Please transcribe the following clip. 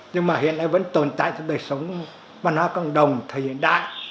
nhưng mà hiện nay vẫn tồn tại trong đời sống văn hóa cộng đồng thời hiện đại